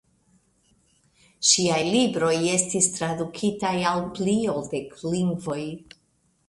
Ŝiaj libroj estis tradukitaj al pli ol dek lingvoj.